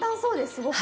すごく。